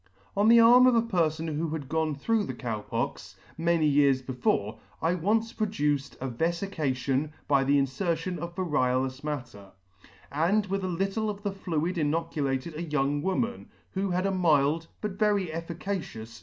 On the arm of a perfon who had gone through the Cow Pox, many [ "8 ] many years before, I once produced a vefication by the infer tion of variolous matter, and with a little of the fluid inoculated a young woman, who had a mild, but very efficacious.